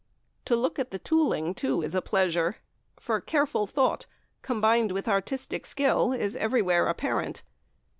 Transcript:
To look at the "tooling," too, is a pleasure, for careful thought, combined with artistic skill, is everywhere apparent.